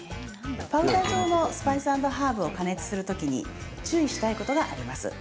パウダー状のスパイス＆ハーブを加熱する時に注意したいことがあります。